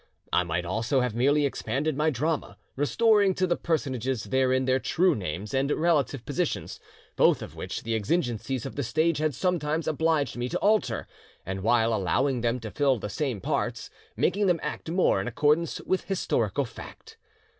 I might also have merely expanded my drama, restoring to the personages therein their true names and relative positions, both of which the exigencies of the stage had sometimes obliged me to alter, and while allowing them to fill the same parts, making them act more in accordance with historical fact.